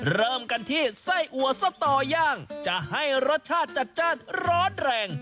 เริ่มกันที่ไส้อัวสตย่างจะให้รสชาติจัดจ้านร้อนแรง